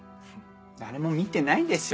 誰も見てないですよ